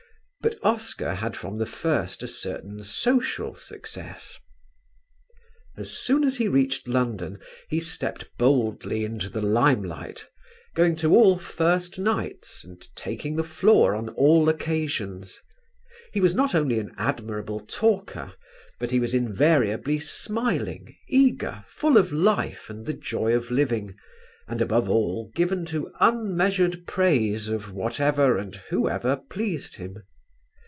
But Oscar had from the first a certain social success. As soon as he reached London he stepped boldly into the limelight, going to all "first nights" and taking the floor on all occasions. He was not only an admirable talker but he was invariably smiling, eager, full of life and the joy of living, and above all given to unmeasured praise of whatever and whoever pleased him.